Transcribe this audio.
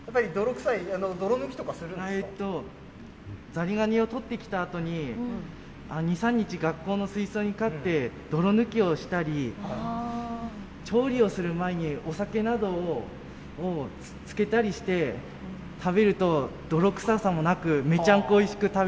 ザリガニを取ってきたあとに、２、３日、学校の水槽に飼って、泥抜きをしたり、調理をする前にお酒などを漬けたりして食べると、泥臭さもなく、めちゃんこときました。